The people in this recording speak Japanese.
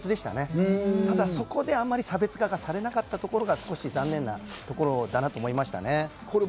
ただそこであまり差別化がされなかったところが少し残念なところだなと思いました。